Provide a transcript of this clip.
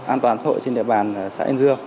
an toàn xã hội trên địa bàn xã an dương